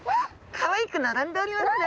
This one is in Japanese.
かわいく並んでおりますね。